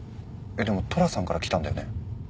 でも寅さんから来たんだよね？